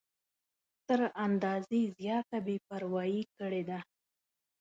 تر اندازې زیاته بې پروايي کړې ده.